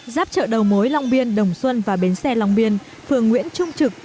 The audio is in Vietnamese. giáp chợ đầu mối long biên đồng xuân và bến xe long biên phường nguyễn trung trực